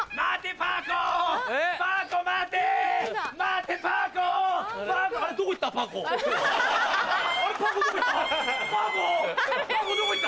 パー子どこ行った？